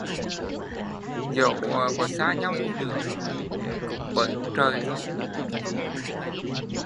Dẫu có xa nhau đi nữa cũng bởi ông Trời mà thôi